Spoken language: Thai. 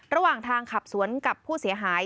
ระหว่างทางขับสวนกับผู้เสียหาย